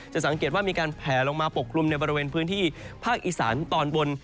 สังเกตว่ามีการแผลลงมาปกคลุมในบริเวณพื้นที่ภาคอีสานตอนบน